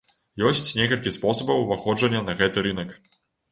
Ёсць некалькі спосабаў уваходжання на гэты рынак.